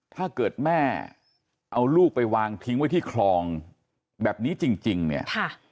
ถ้าเกิดแม่เอาลูกไปวางทิ้งไว้ที่คลองแบบนี้จริงเนี่ยค่ะ